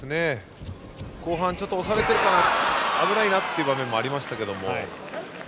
後半、ちょっと押されてて危ないなという場面もありましたけれども。